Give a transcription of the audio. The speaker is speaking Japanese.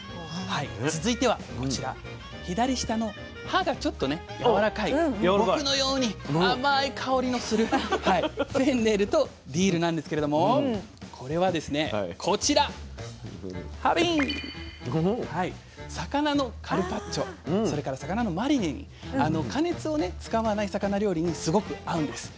続いてはこちら左下の葉がちょっとやわらかい僕のように甘い香りのするフェンネルとディルなんですけれどもこれはですねこちら魚のカルパッチョそれから魚のマリネに加熱を使わない魚料理にすごく合うんです。